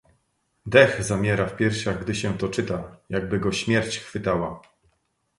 "Dech zamiera w piersiach, gdy się to czyta, jakby go śmierć chwytała."